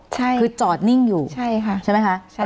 ใช่ค่ะคือจอดนิ่งอยู่เหรอได้ไหม